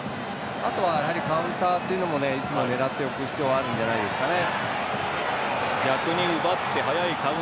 あとはやはりカウンターっていうのもいつも狙っておく必要もあるんじゃないですかね。